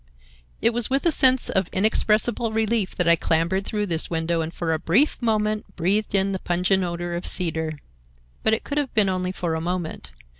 It was with a sense of inexpressible relief that I clambered through this window and for a brief moment breathed in the pungent odor of cedar. But it could have been only for a moment.